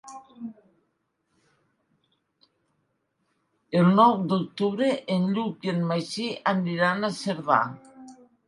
El nou d'octubre en Lluc i en Magí aniran a Cerdà.